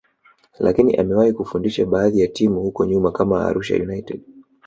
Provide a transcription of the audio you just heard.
lakini amewahi kufundisha baadhi ya timu huko nyuma kama Arusha United